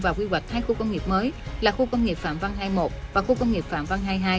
và quy hoạch hai khu công nghiệp mới là khu công nghiệp phạm văn hai mươi một và khu công nghiệp phạm văn hai